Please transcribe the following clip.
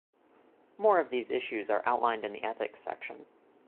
More of these issues are outlined in the ethics section.